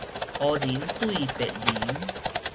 烏仁對白仁